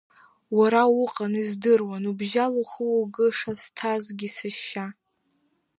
Уара уҟан, издыруан убжьала ухы угәы шазҭазгьы, сашьа.